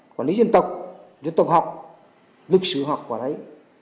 quản lý dân tộc dân tộc học lực sử học vào đấy